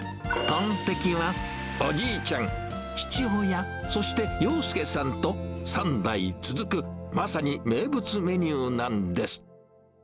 豚テキはおじいちゃん、父親、そして要介さんと、３代続くまさに名物メニューなんです。